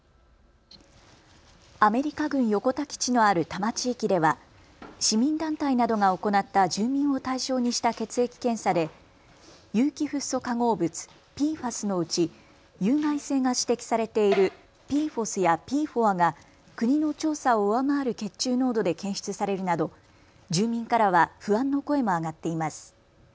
アメリカ軍横田基地のある多摩地域では市民団体などが行った住民を対象にした血液検査で有機フッ素化合物、ＰＦＡＳのうち有害性が指摘されているＰＦＯＳやＰＦＯＡが国の調査を上回る血中濃度で検出されるなど住民からは不安の声も上がっています。